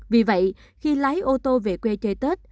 vì vậy khi lái ô tô về quê chơi tết